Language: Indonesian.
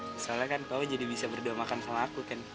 misalnya kan kamu jadi bisa berdua makan sama aku kan